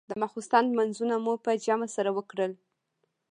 د ماخستن لمونځونه مو په جمع سره وکړل.